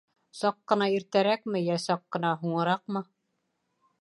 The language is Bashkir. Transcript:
Саҡ ҡына иртәрәкме, йә саҡ ҡына һуңыраҡмы...